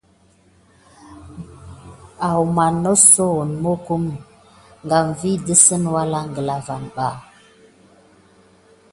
Waman nokum lan ki ump ɗuà sim sime ɗaou wisi gəlya.